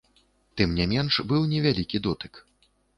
Тым не менш быў невялікі дотык.